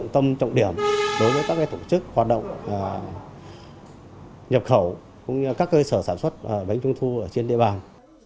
tâm trọng điểm đối với các tổ chức hoạt động nhập khẩu cũng như các cơ sở sản xuất bánh trung thu ở trên địa bàn